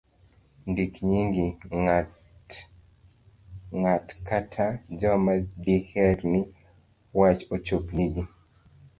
ndik nying' ng'at kata joma diher ni wach ochop nigi